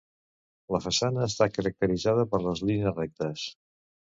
La façana està caracteritzada per les línies rectes.